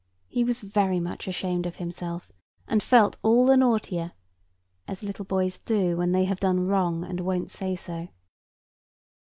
He was very much ashamed of himself, and felt all the naughtier; as little boys do when they have done wrong and won't say so.